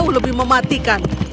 jauh lebih mematikan